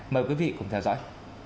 mời quý vị cùng theo dõi